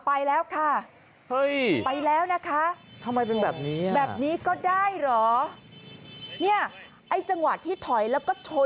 ไปอีกไปชนอีก